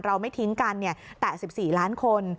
เราไม่ทิ้งกันแตะ๑๔ล้านคน